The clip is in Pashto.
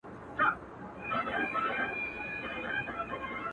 اوس خورا په خړپ رپيږي ورځ تېرېږي;